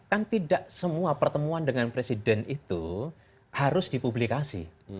kan tidak semua pertemuan dengan presiden itu harus dipublikasi